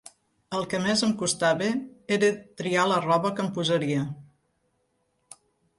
El que més em costava era triar la roba que em posaria.